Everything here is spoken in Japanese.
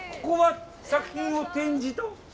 ここは作品の展示と？